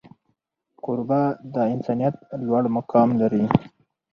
کوربه د انسانیت لوړ مقام لري.